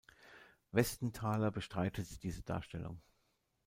Westenthaler bestreitet diese Darstellung.